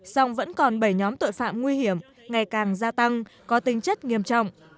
song vẫn còn bảy nhóm tội phạm nguy hiểm ngày càng gia tăng có tinh chất nghiêm trọng